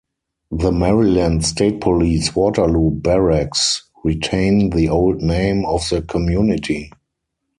The Maryland State Police Waterloo barracks retain the old name of the community.